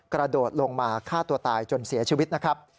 กระโดดลงมาฆ่าตัวตายจนเสียชีวิตนะครับ